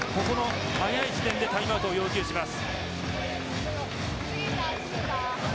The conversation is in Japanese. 早い段階でタイムアウトを要求します。